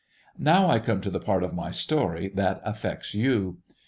"Now I come to the part of my story that affects you.